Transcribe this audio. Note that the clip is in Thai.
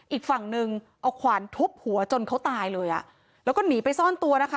อีกฝั่งนึงเอาขวานทุบหัวจนเขาตายเลยอ่ะแล้วก็หนีไปซ่อนตัวนะคะ